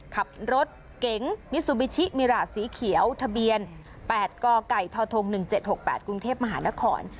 ขับรถเก๋งมิซูบิชิมิราสีเขียวทะเบียน๘กกทท๑๗๖๘กรุงเทพมหานคร